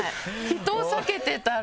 人を避けてたら。